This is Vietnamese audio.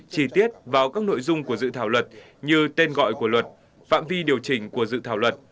chi tiết vào các nội dung của dự thảo luật như tên gọi của luật phạm vi điều chỉnh của dự thảo luật